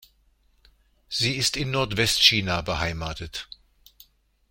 Sie ist in Nordwest-China beheimatet.